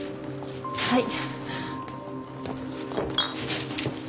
はい。